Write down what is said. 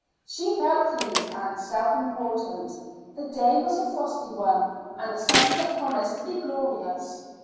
She felt pleased and self important. The day was a frosty one, and the sunset promised to be glorious.